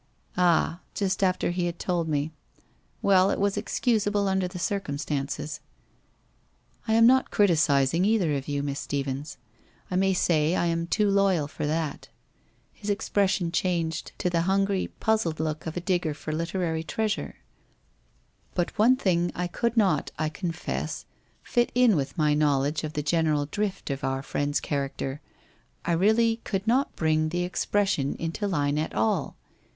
' Ali, just after he had told me Well, it was excus able, under the circumstanci ' I am not criticizing either of you. Miss Stephens. I may say I am too loyal for that.' His expresi ion changed to 352 WHITE ROSE OF WEARY LEAF the hungry, puzzled look of a digger for literary treasure. * But one thing I could not, I confess, fit in with my knowl edge of the general drift of our friend's character. I really could not bring the expression into line at all.